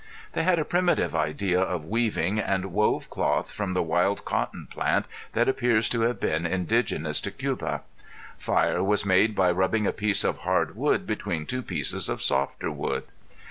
They had a primitive idea of weaving and wove cloth from the wild cotton plant that appears to have been indigenous to Cuba. Fire was made by rubbing a piece of hard wood between two pieces of softer wood.